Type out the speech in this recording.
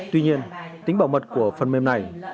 tuy nhiên tính bảo mật của phần mềm này